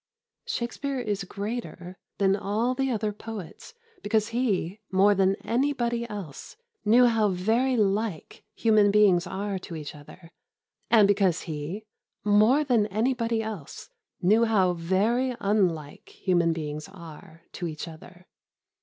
Shakespeare is greater than all the other poets because he, more than anybody else, knew how very like human beings are to each other and because he, more than anybody else, knew how very unlike human beings are to each other.